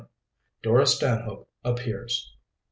DORA STANHOPE APPEARS.